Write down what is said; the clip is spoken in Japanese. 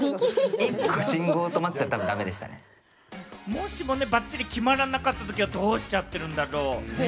もしもね、ばっちり決まらなかったときはどうしちゃってるんだろうね？